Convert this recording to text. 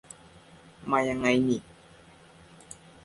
มายังไงหนิ